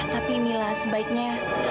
tapi minah sebaiknya